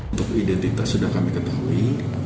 untuk identitas sudah kami ketahui